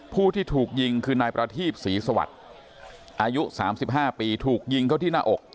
ผู้ที่ถูกยิงคือนายประทีบศรีสวัสดิ์อายุ๓๕ปีถูกยิงเข้าที่หน้าอก